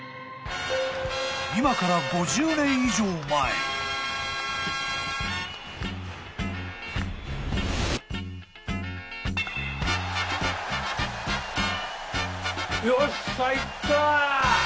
［今から５０年以上前］よっしゃ！いった！